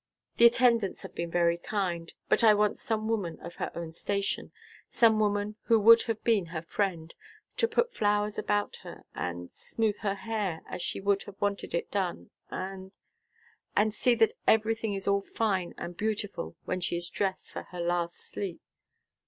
"The attendants have been very kind, but I want some woman of her own station some woman who would have been her friend to put flowers about her and smooth her hair, as she would have wanted it done and and see that everything is all fine and beautiful when she is dressed for her last sleep."